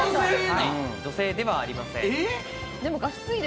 女性ではありません。